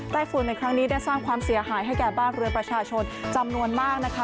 ฝุ่นในครั้งนี้ได้สร้างความเสียหายให้แก่บ้านเรือประชาชนจำนวนมากนะคะ